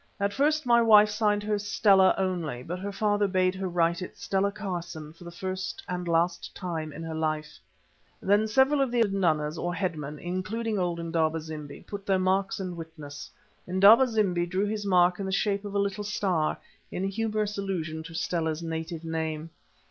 At first my wife signed hers "Stella" only, but her father bade her write it Stella Carson for the first and last time in her life. Then several of the indunas, or headmen, including old Indaba zimbi, put their marks in witness. Indaba zimbi drew his mark in the shape of a little star, in humorous allusion to Stella's native name.